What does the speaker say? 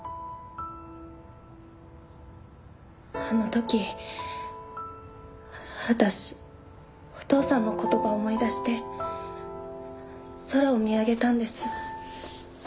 あの時私お父さんの言葉を思い出して空を見上げたんです。